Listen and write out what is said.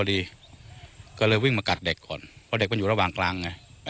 ดีก็เลยวิ่งมากัดเด็กก่อนเพราะเด็กมันอยู่ระหว่างกลางไง